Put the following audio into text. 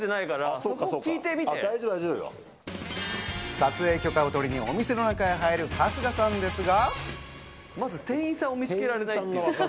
撮影許可を取りにお店の中へ入る、春日さんですが。